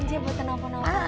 iya bu tenang bu tenang